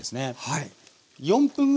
はい。